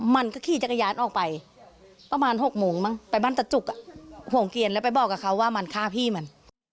มันก็ขี่จักรยานออกไปประมาณ๖โมงมั้งไปบ้านตะจุกห่วงเกียรแล้วไปบอกกับเขาว่ามันฆ่าพี่มัน